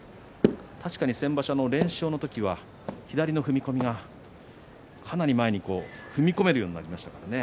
確かに先場所、連勝の時は左の踏み込みがかなり前に踏み込めるようになりましたからね。